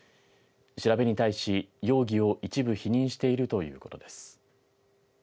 調べに対し容疑を一部否認しているということです。